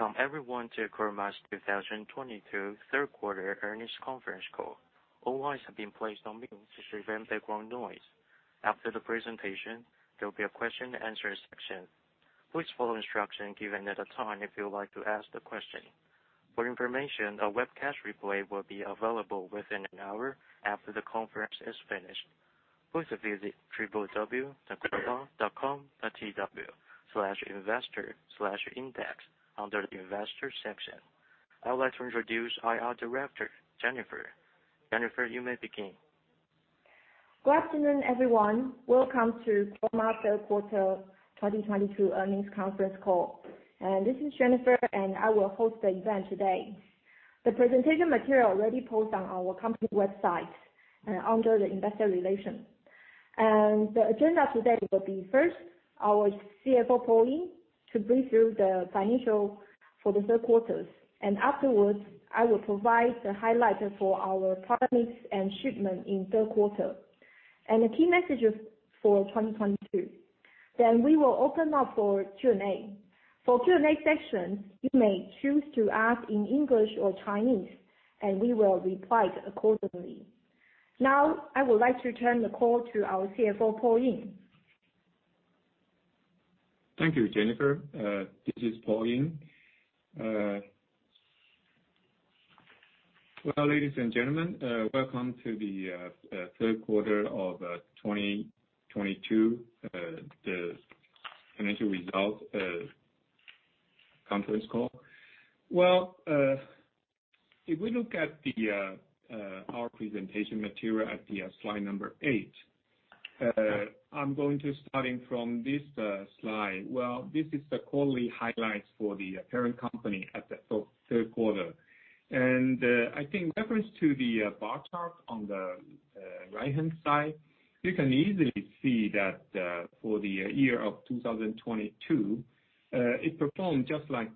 Welcome everyone to Chroma's 2022 Third Quarter Earnings Conference Call. All lines have been placed on mute to prevent background noise. After the presentation, there'll be a question and answer section. Please follow instructions given at the time if you would like to ask the question. For information, a webcast replay will be available within an hour after the conference is finished. Please visit www.chroma.com.tw/investor/index under the investor section. I would like to introduce IR Director, Jennifer. Jennifer, you may begin. Good afternoon, everyone. Welcome to Chroma ATE Third Quarter 2022 Earnings Conference Call. This is Jennifer, and I will host the event today. The presentation material is already posted on our company website under the investor relations. The agenda today will be first, our CFO, Paul Ying, to brief through the financials for the third quarter. Afterwards, I will provide the highlights for our product mix and shipments in third quarter, and the key messages for 2022. We will open up for Q&A. For Q&A section, you may choose to ask in English or Chinese, and we will reply accordingly. Now, I would like to turn the call to our CFO, Paul Ying. Thank you, Jennifer. This is Paul Ying. Well, ladies and gentlemen, Welcome to the Third Quarter of 2022, The Financial Result Conference Call. Well, if we look at our presentation material at the slide number eight, I'm going to starting from this slide. Well, this is the quarterly highlights for the parent company at the third quarter. I think reference to the bar chart on the right-hand side, you can easily see that, for the year of 2022, it performed just like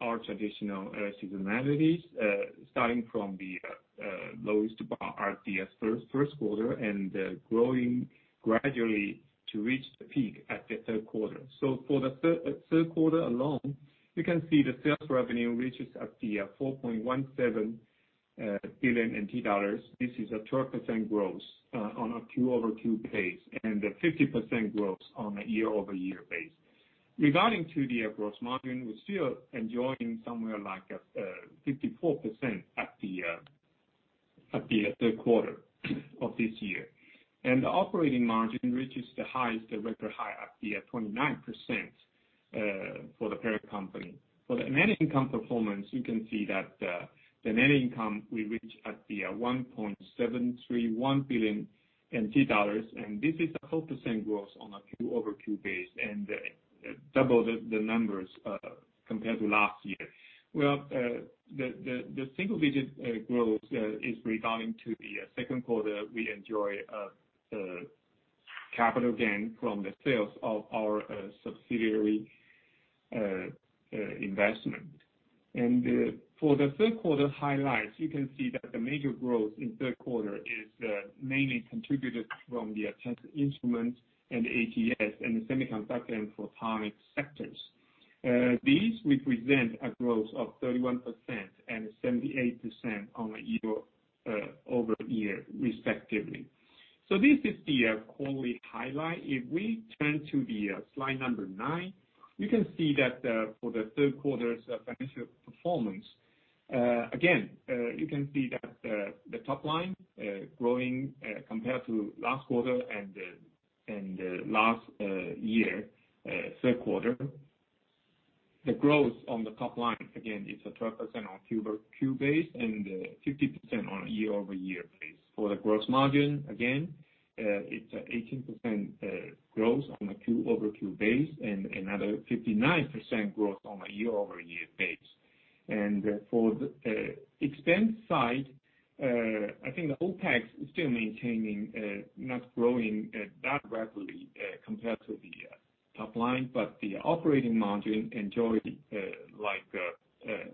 our traditional seasonalities, starting from the lowest bar at the first quarter and growing gradually to reach the peak at the third quarter. For the third quarter alone, you can see the sales revenue reaches 4.17 billion NT dollars. This is a 12% growth on a quarter-over-quarter basis and a 50% growth on a year-over-year basis. Regarding the gross margin, we're still enjoying somewhere like 54% at the third quarter of this year. The operating margin reaches the record high of 29% for the parent company. For the net income performance, you can see that the net income reaches 1.731 billion NT dollars, and this is a 4% growth on a quarter-over-quarter basis and double the numbers compared to last year. Well, the single digit growth is regarding to the second quarter we enjoy capital gain from the sales of our subsidiary investment. For the third quarter highlights, you can see that the major growth in third quarter is mainly contributed from the Test Instruments and ATS and the semiconductor and photonic sectors. These represent a growth of 31% and 78% on a year-over-year, respectively. This is the quarterly highlight. If we turn to the slide numbernine9, you can see that for the third quarter's financial performance, again, you can see that the top line growing compared to last quarter and last year third quarter. The growth on the top line, again, is 12% on Q-over-Q basis and 50% on a year-over-year basis. For the gross margin, again, it's 18% growth on a Q-over-Q basis and another 59% growth on a year-over-year basis. For the expense side, I think the OpEx is still maintaining, not growing that rapidly, compared to the top line. The operating margin enjoyed, like,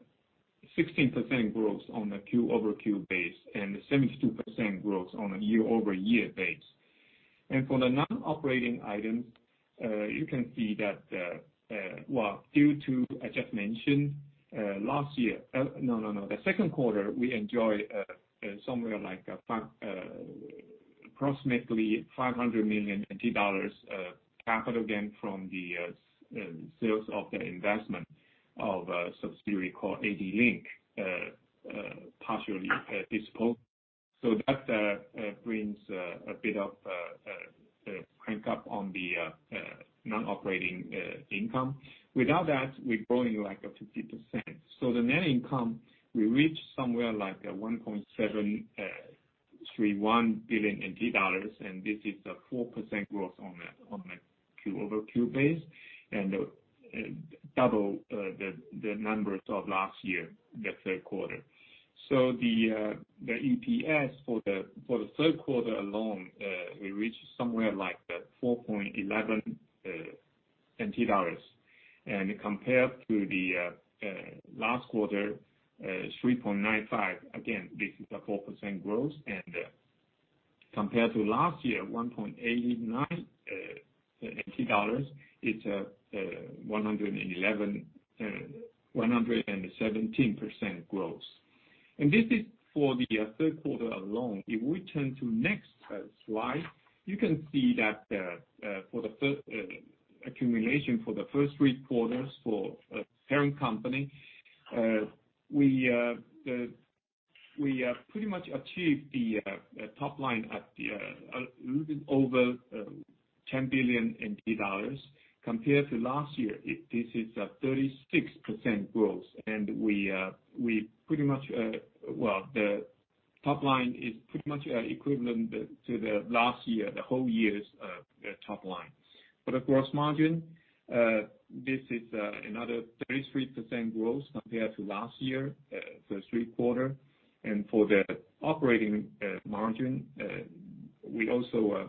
16% growth on a Q-over-Q basis and 72% growth on a year-over-year basis. For the non-operating items, you can see that, well, due to I just mentioned last year. No. The second quarter, we enjoyed somewhere like approximately 500 million dollars capital gain from the sales of the investment of a subsidiary called ADLINK, partially disposed. That brings a bit of crank up on the non-operating income. Without that, we're growing like 50%. The net income will reach somewhere like 1.731 billion NT dollars, and this is a 4% growth on a Q-over-Q basis, and double the numbers of last year's third quarter. The EPS for the third quarter alone, we reached somewhere like 4.11 NT dollars. Compared to the last quarter, 3.95, again, this is a 4% growth and compared to last year, 1.89 NT dollars. It's 117% growth. This is for the third quarter alone. If we turn to next slide, you can see that for the first accumulation for the first three quarters for parent company, we pretty much achieved the top line at a little bit over 10 billion NT dollars compared to last year. This is a 36% growth. We pretty much, well, the top line is pretty much equivalent to the last year, the whole year's top line. Of course, margin, this is another 33% growth compared to last year for the third quarter. For the operating margin, we also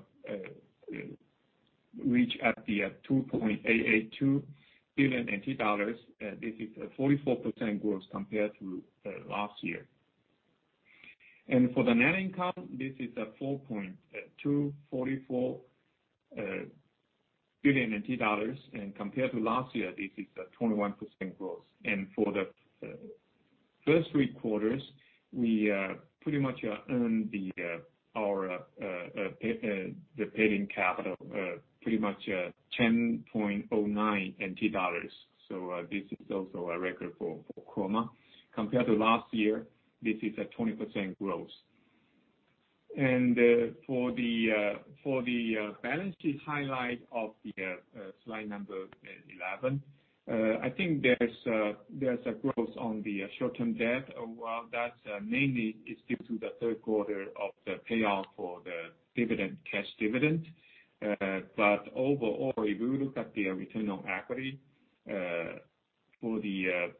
reached 2.882 billion NT dollars. This is a 44% growth compared to last year. For the net income, this is 4.244 billion dollars. Compared to last year, this is a 21% growth. For the first three quarters, we pretty much earned our paid-in capital pretty much 10.09 NT dollars. This is also a record for Chroma. Compared to last year, this is a 20% growth. For the balance sheet highlight of the slide number 11, I think there's a growth on the short-term debt. Well, that's mainly is due to the third quarter payout for the dividend, cash dividend. But overall, if you look at the return on equity for the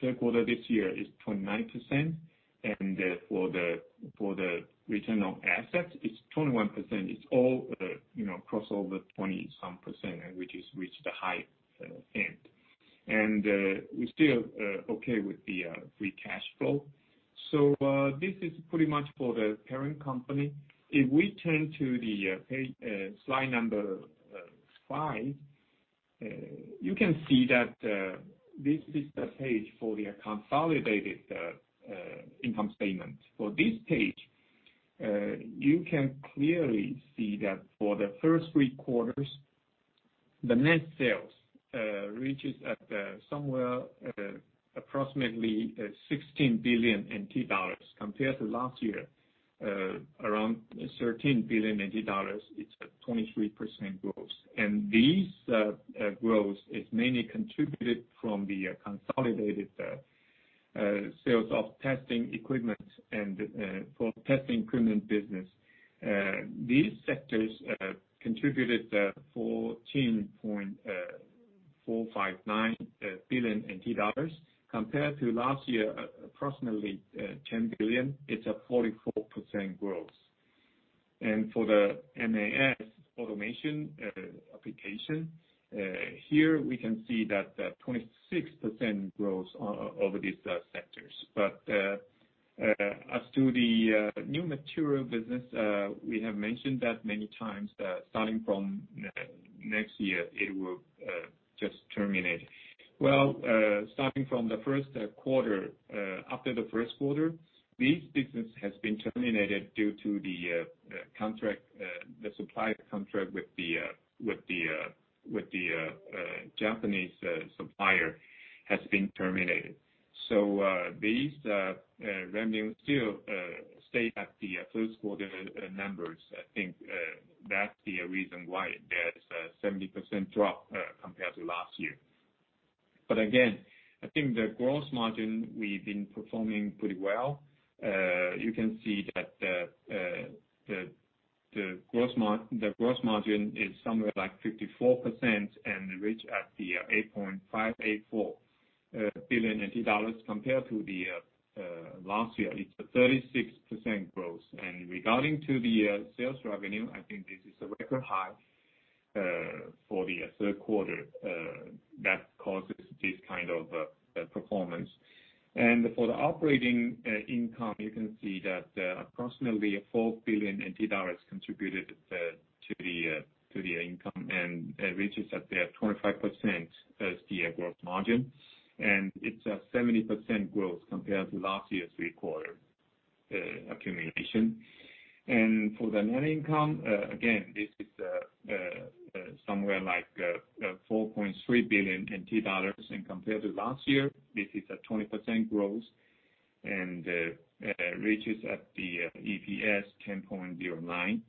third quarter this year is 29%. For the return on assets, it's 21%. It's all, you know, cross over 20 some %, which has reached the high end. We still okay with the free cash flow. This is pretty much for the parent company. If we turn to the page, slide number five, you can see that this is the page for the consolidated income statement. For this page, you can clearly see that for the first three quarters, the net sales reaches at somewhere approximately 16 billion NT dollars compared to last year around 13 billion dollars. It's a 23% growth. This growth is mainly contributed from the consolidated sales of testing equipment and for testing equipment business. These sectors contributed 14.459 billion NT dollars compared to last year approximately 10 billion. It's a 44% growth. For the MES automation application, here we can see that 26% growth over these sectors. As to the new material business, we have mentioned that many times that starting from next year, it will just terminate. Starting from the first quarter, after the first quarter, this business has been terminated due to the contract, the supply contract with the Japanese supplier has been terminated. These revenue still stay at the first quarter numbers. I think that's the reason why there's a 70% drop compared to last year. Again, I think the growth margin, we've been performing pretty well. You can see that the growth margin is somewhere like 54% and reach at the 8.584 billion dollars compared to the last year. It's a 36% growth. Regarding to the sales revenue, I think this is a record high for the third quarter that causes this kind of performance. For the operating income, you can see that approximately 4 billion NT dollars contributed to the income and it reaches at the 25% as the growth margin. It's a 70% growth compared to last year's third quarter accumulation. For the net income, again, this is somewhere like 4.3 billion NT dollars. Compared to last year, this is a 20% growth and reaches at the EPS 10.09.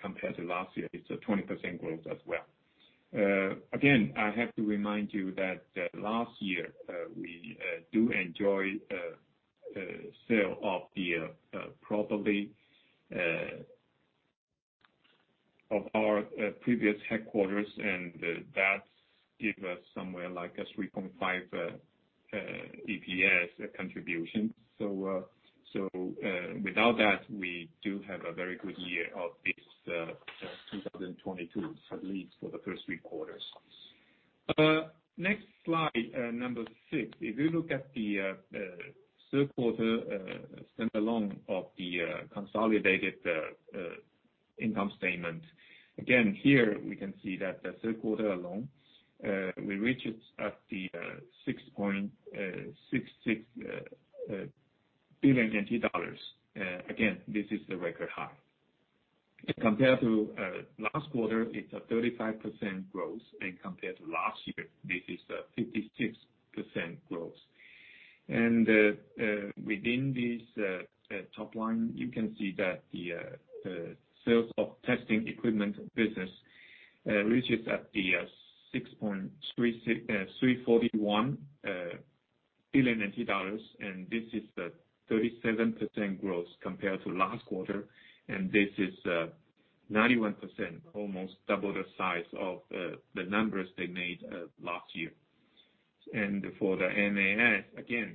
Compared to last year, it's a 20% growth as well. Again, I have to remind you that last year, we do enjoy sale of the property of our previous headquarters, and that's give us somewhere like a 3.5 EPS contribution. Without that, we do have a very good year of this 2022, at least for the first three quarters. Next slide, number six. If you look at the third quarter standalone of the consolidated income statement, again, here we can see that the third quarter alone we reached at the 6.66 billion NT dollars. Again, this is the record high. Compared to last quarter, it's a 35% growth, and compared to last year, this is a 56% growth. Within this top line, you can see that the sales of testing equipment business reaches at the 6.341 billion dollars, and this is a 37% growth compared to last quarter, and this is 91%, almost double the size of the numbers they made last year. For the NAS, again,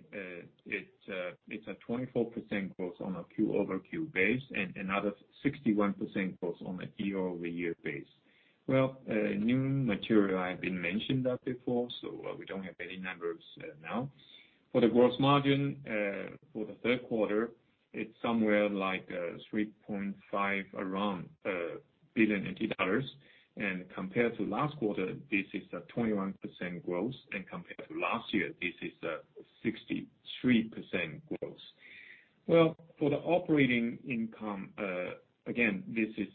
it's a 24% growth on a Q-over-Q base and another 61% growth on a year-over-year base. New materials have been mentioned before, so we don't have any numbers now. For the gross margin, for the third quarter, it's somewhere like around 3.5 billion NT dollars. Compared to last quarter, this is a 21% growth, and compared to last year, this is a 63% growth. For the operating income, again, this is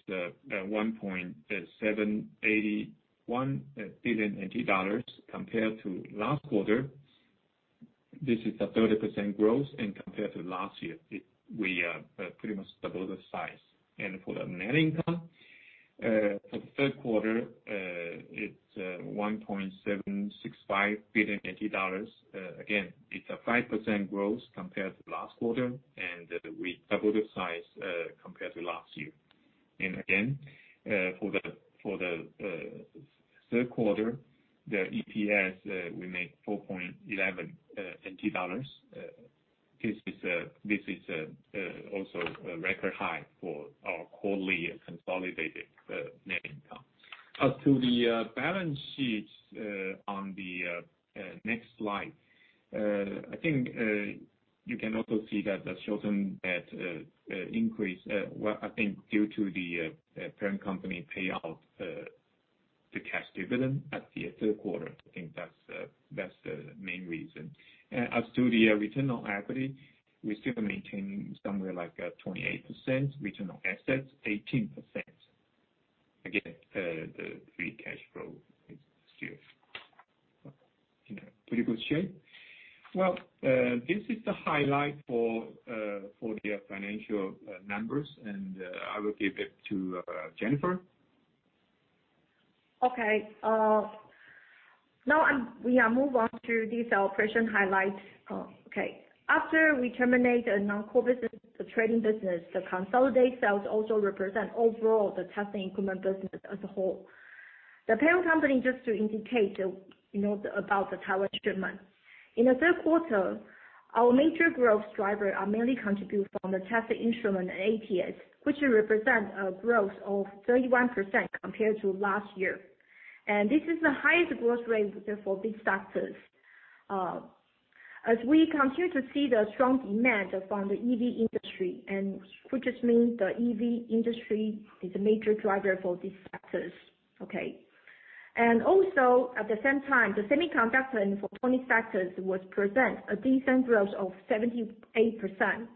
1.781 billion dollars. Compared to last quarter, this is a 30% growth, and compared to last year, we pretty much doubled the size. For the net income for the third quarter, it's 1.765 billion dollars. Again, it's a 5% growth compared to last quarter, and we doubled the size compared to last year. For the third quarter, the EPS we made 4.11 NT dollars. This is also a record high for our quarterly consolidated net income. As to the balance sheets on the next slide, I think you can also see that the short-term debt increase, well, I think due to the parent company payout, the cash dividend at the third quarter. I think that's the main reason. As to the return on equity, we still maintain somewhere like 28%. Return on assets, 18%. The free cash flow is still in a pretty good shape. This is the highlight for the financial numbers and I will give it to Jennifer. We are moving on to these operational highlights. After we terminate a non-core business, the trading business, the consolidated sales also represent overall the testing equipment business as a whole. The parent company, just to indicate, you know, about the power shipment. In the third quarter, our major growth driver are mainly contributed from the testing instrument ATS, which represent a growth of 31% compared to last year. This is the highest growth rate for these sectors. As we continue to see the strong demand from the EV industry and which just means the EV industry is a major driver for these sectors, okay? Also, at the same time, the semiconductor and photonic sectors presented a decent growth of 78%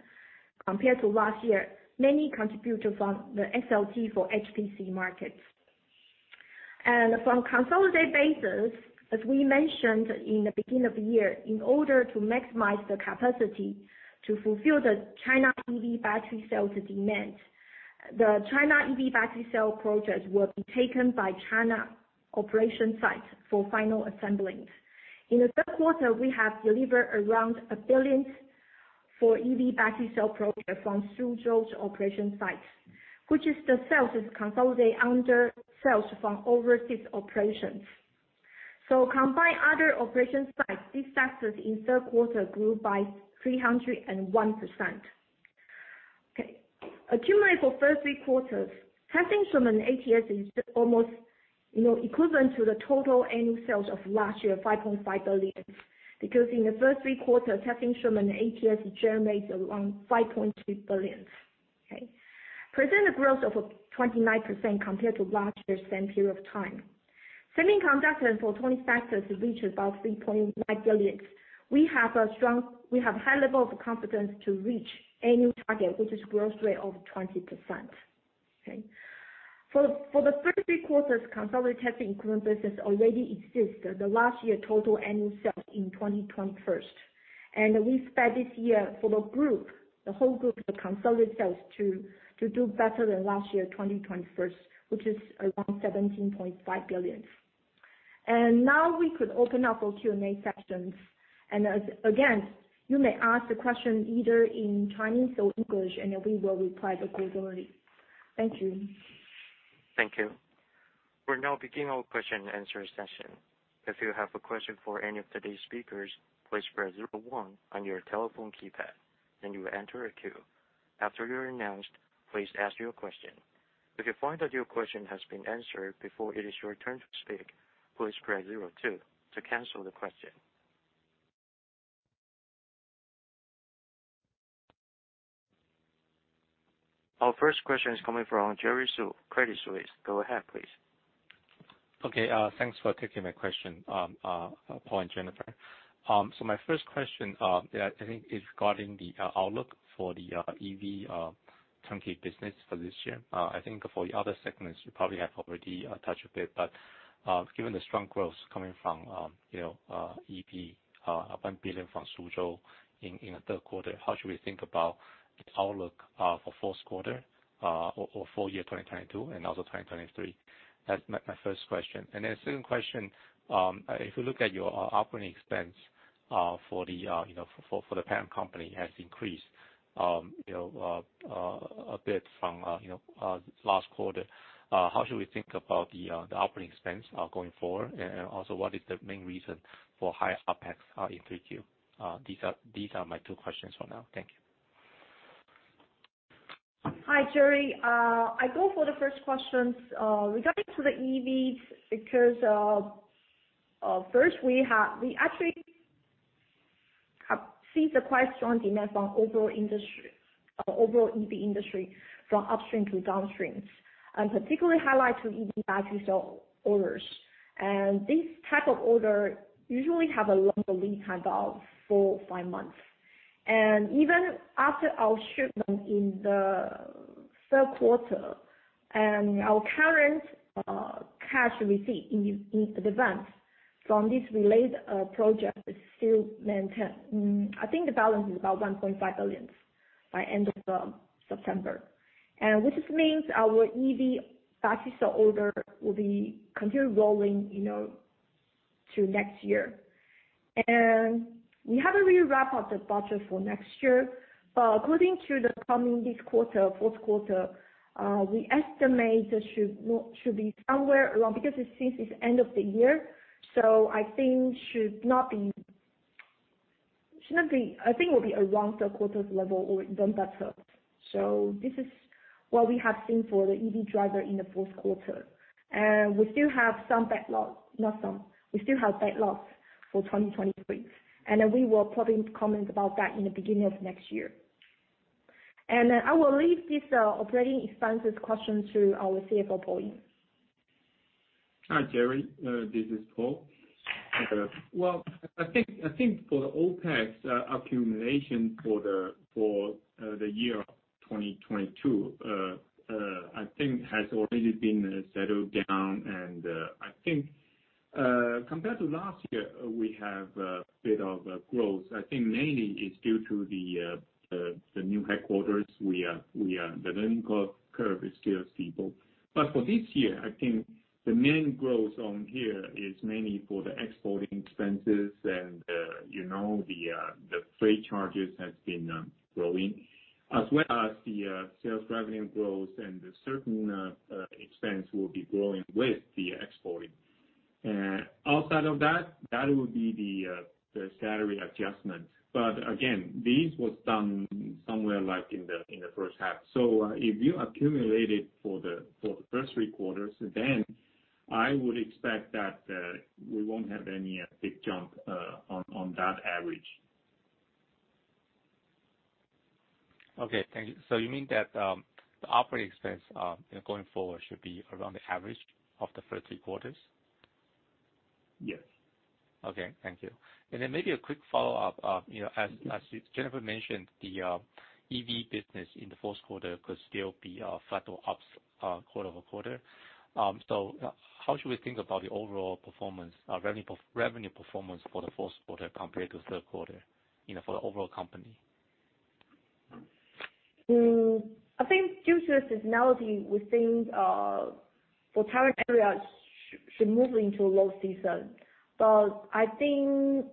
compared to last year, mainly contributed from the SLT for HPC markets. From consolidated basis, as we mentioned in the beginning of the year, in order to maximize the capacity to fulfill the China EV battery cells demand, the China EV battery cell projects will be taken by China operation sites for final assembling. In the third quarter, we have delivered around 1 billion for EV battery cell projects from Suzhou's operation sites, which is the sales is consolidated under sales from overseas operations. Combined other operation sites, these sectors in third quarter grew by 301%. Okay. Accumulated for first three quarters, testing instrument ATS is almost, you know, equivalent to the total annual sales of last year, 5.5 billion. Because in the first three quarters, testing instrument ATS generates around 5.2 billion, okay? Present growth of 29% compared to last year same period of time. Semiconductor photonic sectors reach about 3.9 billion. We have high level of confidence to reach annual target, which is growth rate of 20%, okay? For the first three quarters, consolidated testing equipment business already exceed the last year total annual sales in 2021. We expect this year for the group, the whole group, the consolidated sales, to do better than last year, 2021, which is around 17.5 billion. Now we could open up for Q&A sessions. Again, you may ask the question either in Chinese or English, and we will reply accordingly. Thank you. Thank you. We're now beginning our question and answer session. If you have a question for any of today's speakers, please press zero one on your telephone keypad, then you will enter a queue. After you're announced, please ask your question. If you find that your question has been answered before it is your turn to speak, please press zero two to cancel the question. Our first question is coming from Jerry Su, Credit Suisse. Go ahead, please. Okay. Thanks for taking my question, Paul and Jennifer. My first question is regarding the outlook for the EV turnkey business for this year. I think for the other segments you probably have already touched a bit, but given the strong growth coming from you know EV 1 billion from Suzhou in the third quarter, how should we think about the outlook for fourth quarter or full year 2022 and also 2023? That's my first question. Second question, if you look at your operating expense for you know for the parent company has increased you know a bit from you know last quarter. How should we think about the operating expense going forward? Also, what is the main reason for higher OpEx in 3Q? These are my two questions for now. Thank you. Hi, Jerry. I go for the first questions regarding to the EVs, because we actually have seen a quite strong demand from overall industry, overall EV industry from upstream to downstream, and particularly highlight to EV battery cell orders. This type of order usually have a longer lead time of four, five months. Even after our shipment in the third quarter, our current cash receipt in advance from this related project is still maintain. I think the balance is about 1.5 billion by end of September. Which means our EV battery cell order will be continued rolling, you know, through next year. We haven't really wrapped up the budget for next year. According to the coming this quarter, fourth quarter, we estimate it should be somewhere around, because it seems it's end of the year, so I think should not be. I think it will be around third quarter's level or even better. This is what we have seen for the EV driver in the fourth quarter. We still have some backlogs. Not some. We still have backlogs for 2023. Then we will probably comment about that in the beginning of next year. I will leave this operating expenses question to our CFO, Paul Ying. Hi, Jerry. This is Paul. Well, I think for the OpEx accumulation for the year 2022, I think has already been settled down. I think compared to last year, we have a bit of growth. I think mainly it's due to the new headquarters we are. The learning curve is still steep. For this year, I think the main growth on here is mainly for the exporting expenses and, you know, the freight charges has been growing. As well as the sales revenue growth and the certain expense will be growing with the exporting. Outside of that would be the salary adjustment. Again, this was done somewhere like in the first half. If you accumulate it for the first three quarters, I would expect that we won't have any big jump on that average. Okay. Thank you. You mean that the operating expense, you know, going forward should be around the average of the first three quarters? Yes. Okay. Thank you. Maybe a quick follow-up. You know, as Jennifer mentioned, the EV business in the fourth quarter could still be flat or up quarter-over-quarter. How should we think about the overall performance, revenue performance for the fourth quarter compared to third quarter, you know, for the overall company? I think due to the seasonality, we think the target area should move into a low season. I think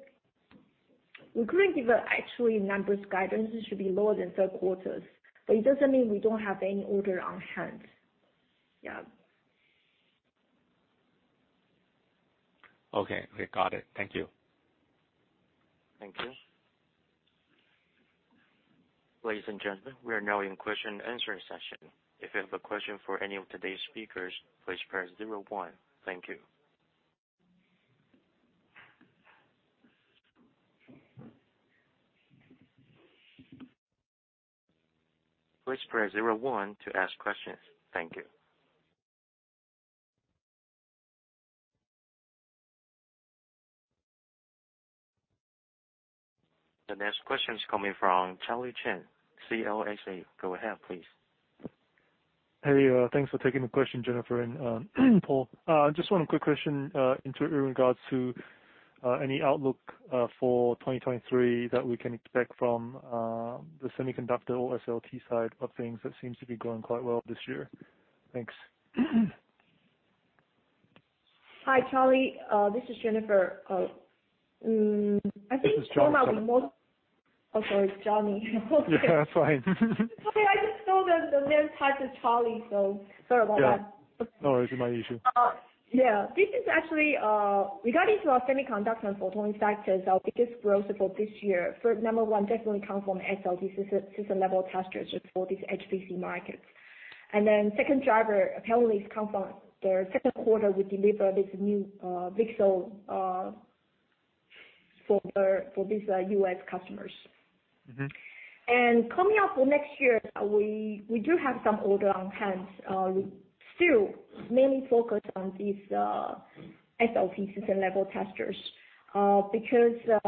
we couldn't give actual numbers guidance. It should be lower than third quarters. It doesn't mean we don't have any order on hand. Yeah. Okay. Okay. Got it. Thank you. Thank you. Ladies and gentlemen, we are now in question and answer session. If you have a question for any of today's speakers, please press zero one. Thank you. Please press zero one to ask questions. Thank you. The next question is coming from Johnny Chen, CLSA. Go ahead, please. Hey, thanks for taking the question, Jennifer and Paul. Just one quick question in regards to any outlook for 2023 that we can expect from the semiconductor or SLT side of things. That seems to be going quite well this year. Thanks. Hi, Charlie. This is Jennifer. I think some of the most This is Johnny Chen. Oh, sorry, Johnny. Yeah. That's fine. Okay, I just saw the name tag says Charlie, so sorry about that. Oh, it's my issue. This is actually, regarding to our semiconductor and photonics sectors, our biggest growth for this year, for number one definitely come from SLT, System-Level Testers for this HPC market. Second driver apparently come from the second quarter, we deliver this new, VCSEL, for these, U.S. customers. Mm-hmm. Coming up for next year, we do have some order on hand. We still mainly focus on these SLT System-Level Testers, because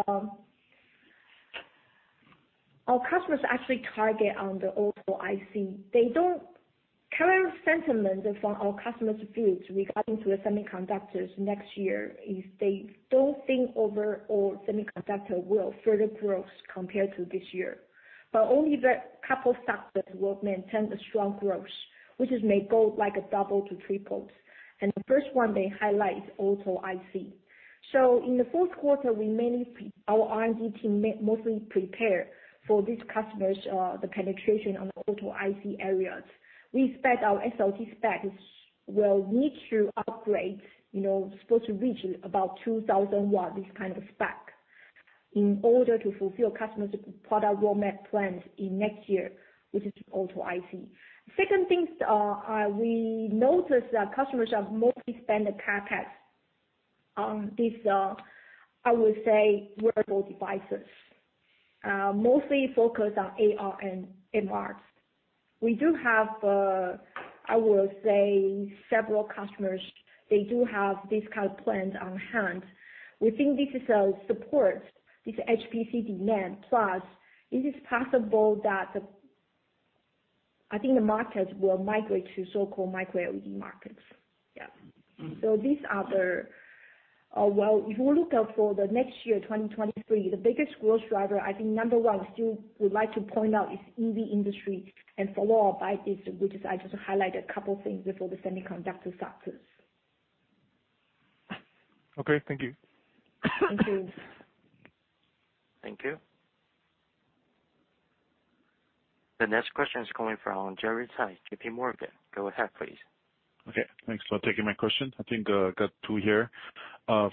our customers actually target the Auto IC. Current sentiment from our customers' views regarding the semiconductors next year is they don't think overall semiconductor will further growth compared to this year. Only the couple of sectors will maintain the strong growth, which may go like a double to triple. The first one they highlight is Auto IC. In the fourth quarter, our R&D team mostly prepare for these customers the penetration on the Auto IC areas. We expect our SLT specs will need to upgrade, you know, supposed to reach about 2,000 W, this kind of spec, in order to fulfill customers' product roadmap plans in next year, which is Auto IC. Second things, we notice that customers have mostly spent the CapEx on this, I would say, wearable devices, mostly focused on AR and MR. We do have, I would say several customers, they do have this kind of plans on hand. We think this is supports this HPC demand, plus it is possible that the. I think the markets will migrate to so-called MicroLED markets. Mm-hmm. If you look out for the next year, 2023, the biggest growth driver, I think number one still we'd like to point out is EV industry, and followed by this, which is I just highlighted a couple things before the semiconductor sectors. Okay, thank you. Thank you. Thank you. The next question is coming from Jeffrey Tai, JPMorgan. Go ahead, please. Okay, thanks for taking my question. I think, I got two here.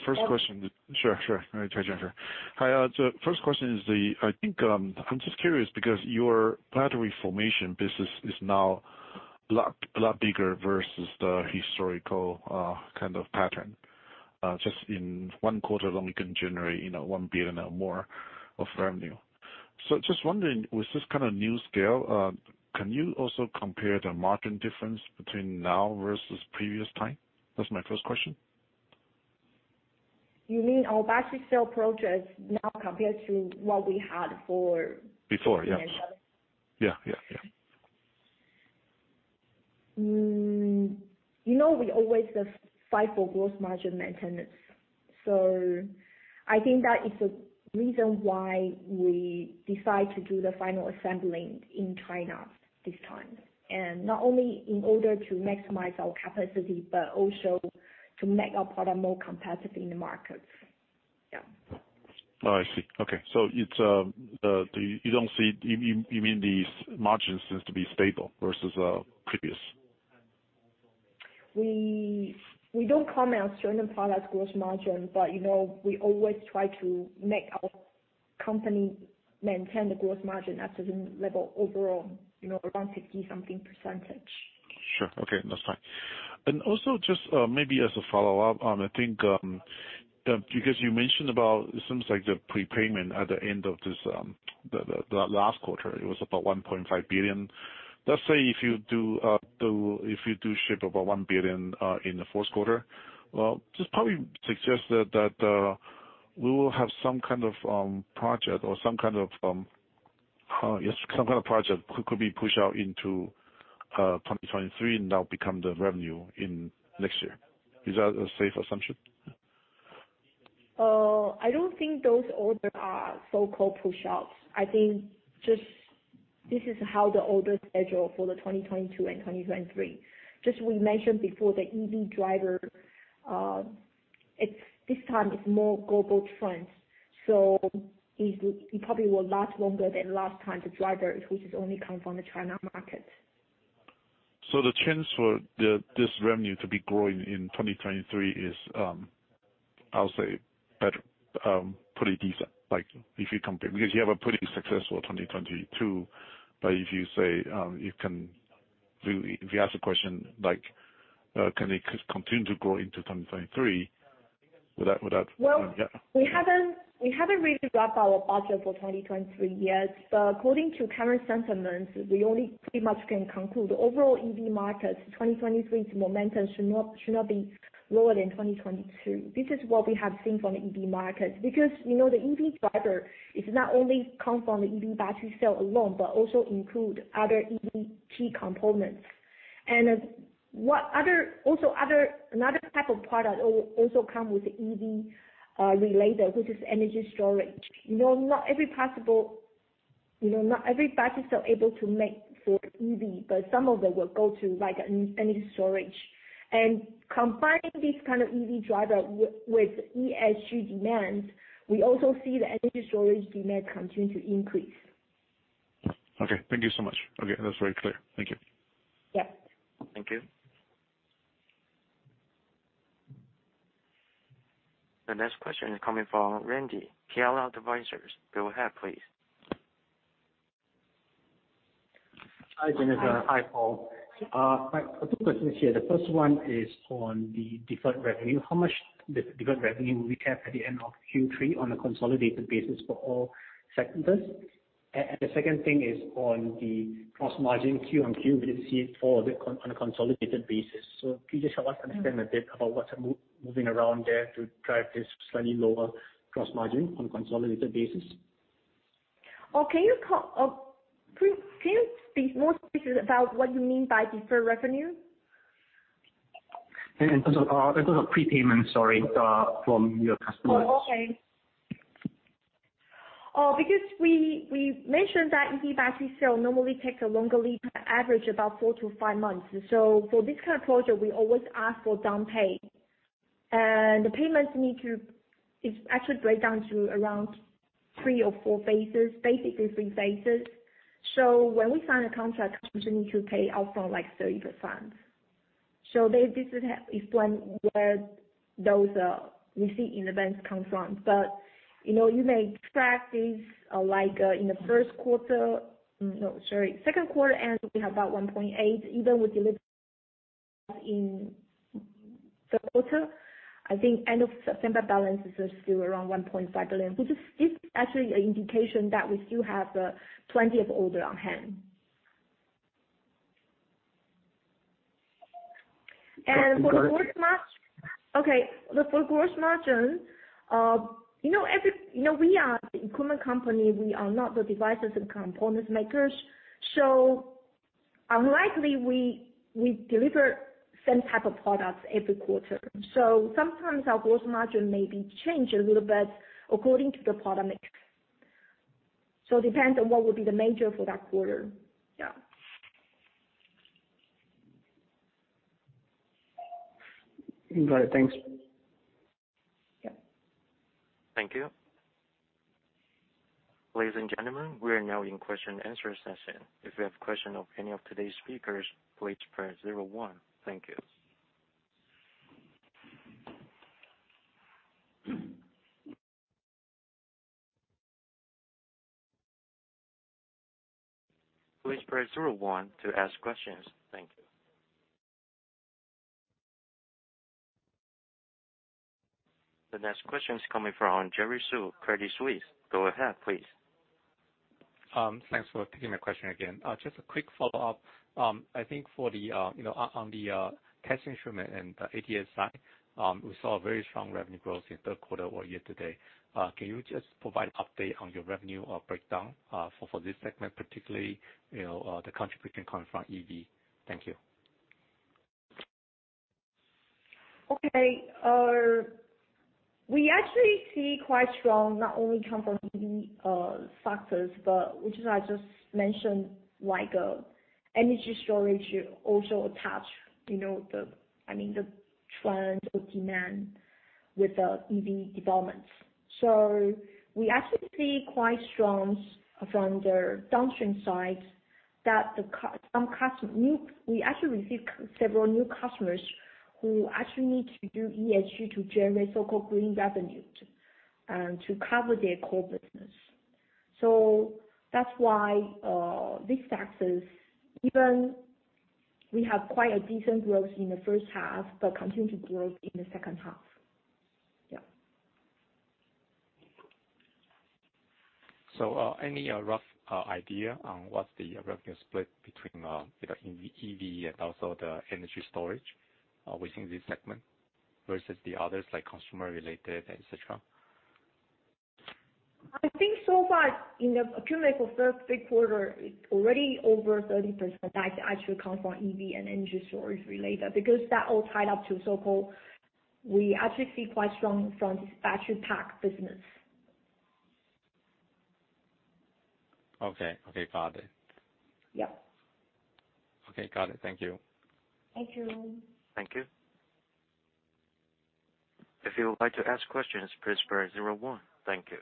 First question. Sure. Sure, sure. Let me try again. Hi, so first question is. I think, I'm just curious because your battery formation business is now a lot bigger vs the historical, kind of pattern. Just in one quarter alone, you can generate, you know, 1 billion or more of revenue. Just wondering, with this kind of new scale, can you also compare the margin difference between now vs previous time? That's my first question. You mean our battery cell projects now compared to what we had before? Before, yeah. You know, we always just fight for gross margin maintenance. I think that is the reason why we decide to do the final assembling in China this time. Not only in order to maximize our capacity, but also to make our product more competitive in the markets. Yeah. Oh, I see. Okay. You mean these margins seems to be stable vs previous? We don't comment on certain products' gross margin, but you know, we always try to make our company maintain the gross margin at a certain level overall, you know, around 60-something%. Sure. Okay. That's fine. Also just maybe as a follow-up, I think, because you mentioned about it seems like the prepayment at the end of this, the last quarter, it was about 1.5 billion. Let's say if you do ship about 1 billion in the fourth quarter, well, just probably suggest that we will have some kind of project or some kind of project could be pushed out into 2023 and now become the revenue in next year. Is that a safe assumption? I don't think those orders are so-called push outs. I think just this is how the orders schedule for the 2022 and 2023. Just as we mentioned before, the EV driver, it's this time a more global trend. It probably will last longer than last time the driver, which only came from the China market. The chance for this revenue to be growing in 2023 is, I'll say, better, pretty decent, like if you compare, because you have a pretty successful 2022. If you say, if you ask the question like, can it continue to grow into 2023? Would that? Well- Yeah. We haven't really wrapped our budget for 2023 yet. According to current sentiments, we only pretty much can conclude the overall EV market 2023's momentum should not be lower than 2022. This is what we have seen from the EV market. You know, the EV driver is not only come from the EV battery cell alone, but also include other EV key components. Another type of product also come with EV related, which is energy storage. You know, not every battery cell able to make for EV, but some of them will go to like an energy storage. Combining this kind of EV driver with ESG demands, we also see the energy storage demand continue to increase. Okay, thank you so much. Okay, that's very clear. Thank you. Yeah. Thank you. The next question is coming from Randy, KLL Advisors. Go ahead, please. Hi, Jennifer. Hi. Hi, Paul. I have two questions here. The first one is on the deferred revenue. How much deferred revenue will we have at the end of Q3 on a consolidated basis for all sectors? The second thing is on the gross margin, Q-on-Q, we see it fall on a consolidated basis. Can you just help us understand a bit about what's moving around there to drive this slightly lower gross margin on a consolidated basis? Oh, can you speak more specific about what you mean by deferred revenue? In terms of prepayment, sorry, from your customers. Oh, okay. Oh, because we mentioned that EV battery cell normally takes a longer lead time, average about four to five months. For this kind of project, we always ask for down payment. The payments need to. It's actually broken down to around three or four phases, basically three phases. When we sign a contract, customers need to pay up front like 30%. They explain where those receipts in advance come from. You know, you may track this like in the second quarter, and we have about 1.8 billion, even with delivery in third quarter. I think end of September balances are still around 1.5 billion, which is. It's actually an indication that we still have plenty of orders on hand. Got it. For gross margin, okay, for gross margin, you know, we are the equipment company, we are not the devices and components makers. Unlikely we deliver same type of products every quarter. Sometimes our gross margin may be changed a little bit according to the product mix. It depends on what would be the major for that quarter. Yeah. Got it. Thanks. Yeah. Thank you. Ladies and gentlemen, we are now in question and answer session. If you have question of any of today's speakers, please press zero one. Thank you. Please press zero one to ask questions. Thank you. The next question is coming from Jerry Su, Credit Suisse. Go ahead, please. Thanks for taking my question again. Just a quick follow-up. I think for the you know on the testing instrument and the ATS side, we saw a very strong revenue growth in third quarter or year to date. Can you just provide update on your revenue breakdown for this segment particularly, you know the contribution coming from EV? Thank you. Okay. We actually see quite strong not only come from EV factors, but which I just mentioned, like, energy storage also attach, you know, the, I mean, the trend or demand with the EV developments. We actually see quite strong from the downstream side. We actually received several new customers who actually need to do ESG to generate so-called green revenue to cover their core business. That's why, these factors, even we have quite a decent growth in the first half, but continue to grow in the second half. Yeah. Any rough idea on what's the revenue split between, you know, EV and also the energy storage, within this segment vs the others like consumer related, et cetera? I think so far in the cumulative of third quarter, it's already over 30% that actually comes from EV and energy storage related because that all tied up to so-called. We actually see quite strong from this battery pack business. Okay. Okay, got it. Yeah. Okay, got it. Thank you. Thank you. Thank you. If you would like to ask questions, please press zero one. Thank you.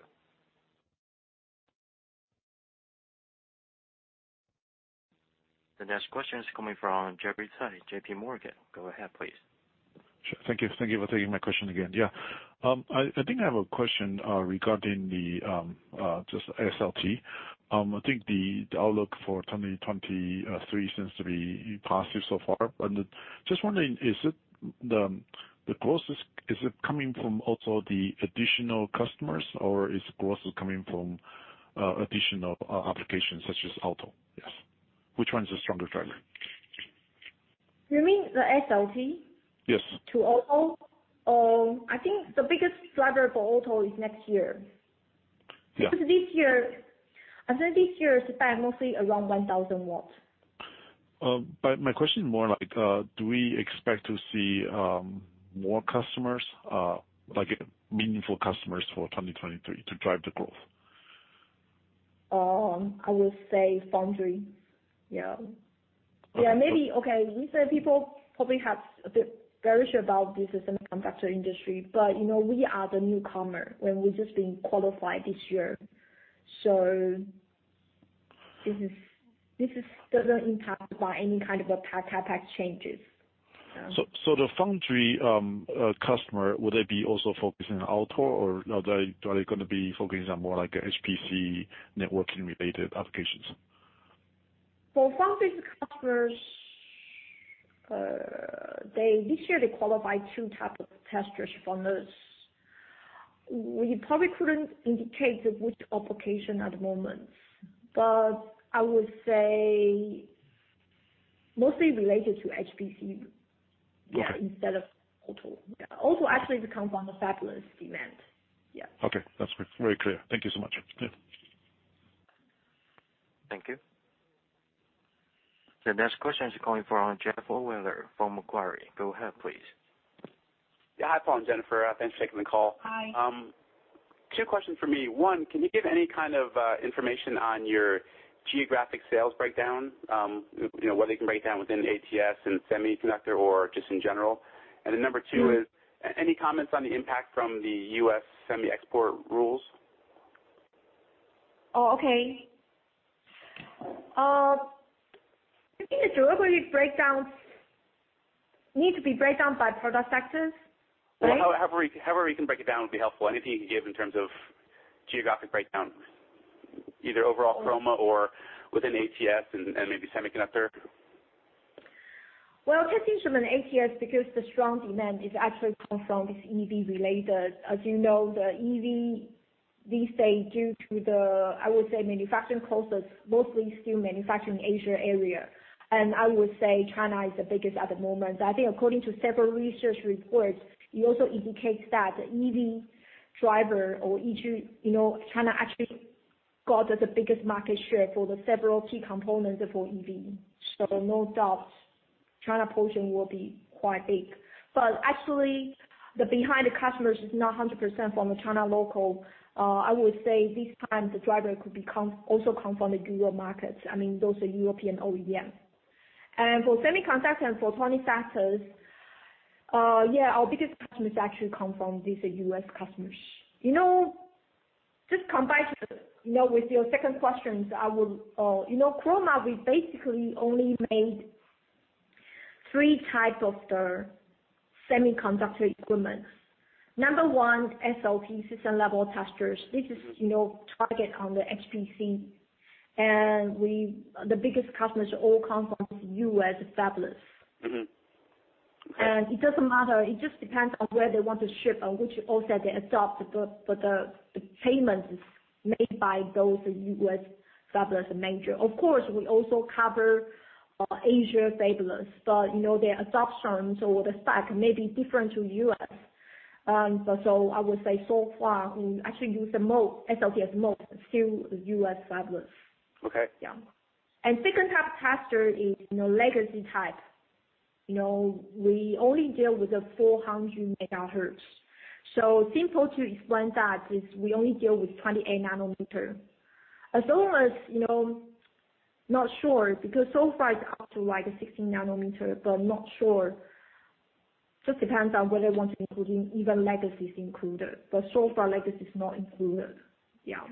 The next question is coming from Jeffrey Tai, JPMorgan. Go ahead, please. Sure. Thank you. Thank you for taking my question again. Yeah. I think I have a question regarding just SLT. I think the outlook for 2023 seems to be positive so far. Just wondering, is the growth coming from additional customers or is growth coming from additional applications such as auto? Yes. Which one is the stronger driver? You mean the SLT? Yes. I think the biggest driver for auto is next year. Yeah. Because this year, I think this year is spent mostly around 1,000 W. My question is more like, do we expect to see more customers, like meaningful customers for 2023 to drive the growth? I will say foundry. Yeah. Maybe. Okay. We see people probably have a bit very sure about this semiconductor industry, but you know, we are the newcomer and we're just being qualified this year. So this doesn't impact by any kind of a tax changes. Yeah. The foundry customer, would they be also focusing on outdoor or, you know, they, are they gonna be focusing on more like HPC networking related applications? For foundry customers, they literally qualify two type of testers from us. We probably couldn't indicate which application at the moment, but I would say mostly related to HPC. Yeah. Instead of auto. Yeah, auto actually comes from the fabless demand. Yeah. Okay. That's very clear. Thank you so much. Yeah. Thank you. The next question is coming from Jennifer Miller from Macquarie. Go ahead, please. Yeah. Hi, Paul and Jennifer. Thanks for taking the call. Hi. Two questions for me. One, can you give any kind of information on your geographic sales breakdown, whether you can break down within ATS and semiconductor or just in general? Number two is any comments on the impact from the U.S. semi export rules? Oh, okay. I think the geographic breakdowns need to be broken down by product sectors, right? However you can break it down would be helpful. Anything you can give in terms of geographic breakdown, either overall Chroma or within ATS and maybe semiconductor. Well, testing from an ATS because the strong demand is actually come from this EV related. As you know, the EV, they say due to the, I would say, manufacturing costs, mostly still manufacturing Asia area. I would say China is the biggest at the moment. I think according to several research reports, it also indicates that the EV driver or each, you know, China actually got the biggest market share for the several key components for EV. No doubt China portion will be quite big. Actually, behind the customers is not hundred percent from the China local. I would say this time the driver could also come from the global markets. I mean, those are European OEM. For semiconductor and photonic testers, yeah, our biggest customers actually come from these, the U.S. customers. You know, just combine, you know, with your second question, I would, you know, Chroma, we basically only make three types of the semiconductor equipment. Number one, SLT System-Level Testers. This is, you know, targets the HPC and we, the biggest customers all come from U.S. fabless. Mm-hmm. Okay. It doesn't matter. It just depends on where they want to ship or which offset they adopt. The payment is made by those U.S. fabless majors. Of course, we also cover Asian fabless, but you know, their adoptions or the stack may be different to U.S. I would say so far, we actually use the mode, SLT as mode to U.S. fabless. Okay. Yeah. Second type tester is, you know, legacy type. You know, we only deal with the 400 MHz. Simple to explain, that is we only deal with 28 nm. As long as you know, not sure, because so far it's up to like 16 nm, but not sure. Just depends on whether I want to including even legacy is included, but so far legacy is not included. Yeah.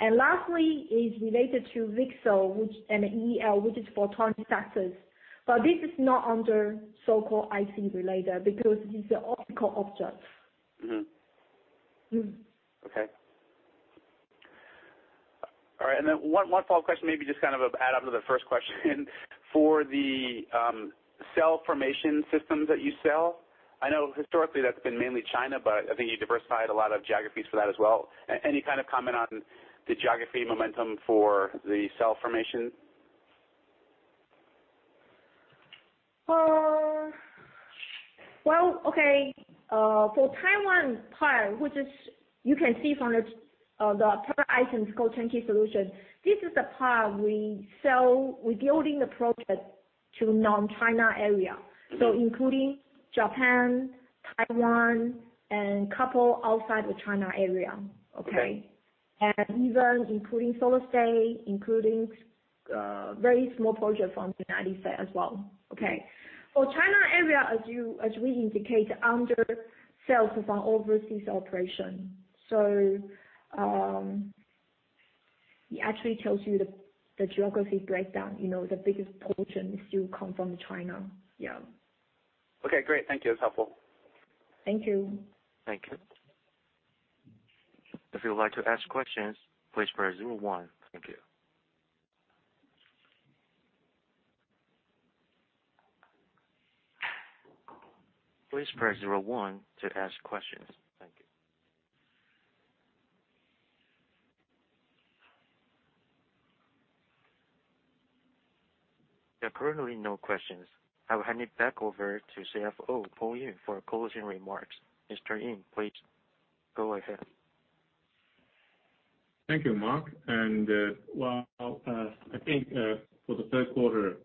Lastly is related to VCSEL, which an EL, which is photonic testers. This is not under so-called IC related because it's an optical object. Mm-hmm. Yeah. Okay. All right. One follow-up question, maybe just kind of add on to the first question. For the cell formation systems that you sell, I know historically that's been mainly China, but I think you diversified a lot of geographies for that as well. Any kind of comment on the geography momentum for the cell formation? Well, okay. For Taiwan part, which, as you can see from the items called Turnkey Solution. This is the part we sell, we're building the project to non-China area. Including Japan, Taiwan, and couple outside of China area. Okay. Even including Solar States, very small project from the United States as well. Okay. For China area, as we indicate under sales of our overseas operation. It actually tells you the geography breakdown, you know, the biggest portion still come from China. Yeah. Okay, great. Thank you. It's helpful. Thank you. Thank you. If you would like to ask questions, please press zero one. Thank you. Please press zero one to ask questions. Thank you. There are currently no questions. I will hand it back over to CFO Paul Ying for closing remarks. Mr. Ying, please go ahead. Thank you, Mark. I think for the third quarter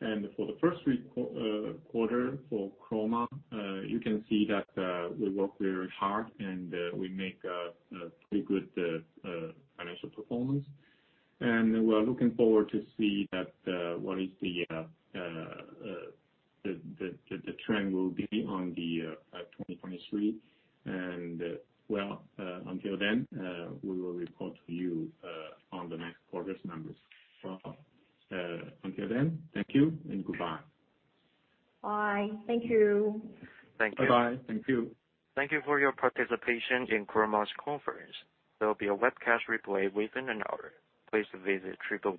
and for the first three quarters for Chroma, you can see that we work very hard and we make pretty good financial performance. We are looking forward to see what is the trend will be on 2023. Until then, we will report to you on the next quarter's numbers. Until then, thank you and goodbye. Bye. Thank you. Thank you. Bye-bye. Thank you. Thank you for your participation in Chroma's conference. There will be a webcast replay within an hour. Please visit www.chroma.com.tw.